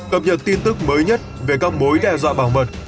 cập nhật tin tức mới nhất về các mối đe dọa bảo mật